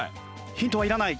ヒントはいらない？